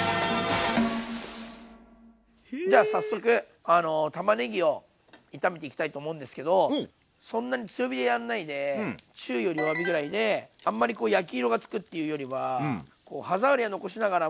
じゃあ早速たまねぎを炒めていきたいと思うんですけどそんなに強火でやんないで中より弱火ぐらいであんまりこう焼き色が付くっていうよりは歯触りは残しながらも火を入れていくイメージですね。